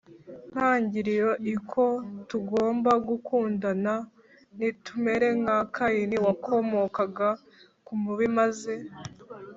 ntangiriro i ko tugomba gukundana Ntitumere nka Kayini wakomokaga ku mubi maze